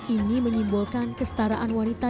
ini menyimbolkan kestaraan wanita